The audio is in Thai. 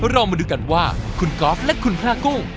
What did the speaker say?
เรามาดูกันว่าคุณก๊อฟและคุณพระกุ้ง